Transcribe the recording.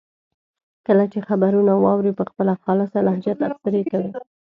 کله چې خبرونه واوري په خپله خالصه لهجه تبصرې کوي.